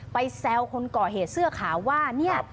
แซวคนก่อเหตุเสื้อขาวว่าเนี่ย